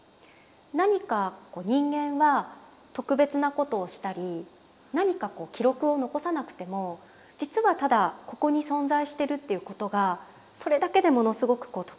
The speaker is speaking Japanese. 何か人間は特別なことをしたり何か記録を残さなくても実はただここに存在してるっていうことがそれだけでものすごく特別なんだと。